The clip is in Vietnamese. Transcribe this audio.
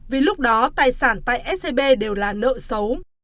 vì lúc đó tài sản tại scb đều là nợ xấu